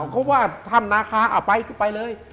เขาว่าทำนาค้าไปเลย